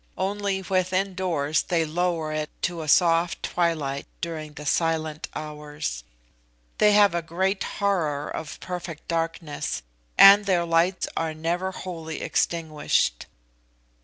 Only, within doors, they lower it to a soft twilight during the Silent Hours. They have a great horror of perfect darkness, and their lights are never wholly extinguished.